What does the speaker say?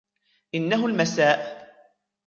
إنه المساء